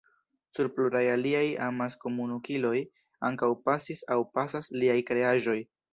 Sur pluraj aliaj amaskomunikiloj ankaŭ pasis aŭ pasas liaj kreaĵoj.